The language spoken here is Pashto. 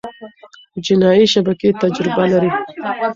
جنایي شبکې تجربه لري.